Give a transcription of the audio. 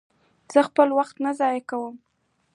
زه خپل وخت نه ضایع کوم.